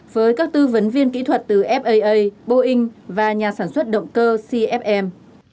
với các tư vấn viên kỹ thuật từ faa boeing và nhà sản xuất động cơ cfm